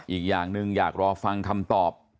อีกอย่างหนึ่งอยากรอฟังคำตอบ